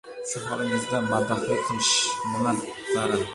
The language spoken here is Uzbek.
Shu holingizda maddohlik qilish nima zaril?!